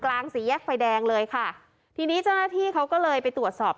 สี่แยกไฟแดงเลยค่ะทีนี้เจ้าหน้าที่เขาก็เลยไปตรวจสอบ